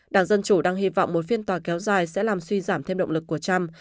đảng dân chủ đang hy vọng một phiên tòa kéo dài sẽ làm suy giảm thêm động lực của trump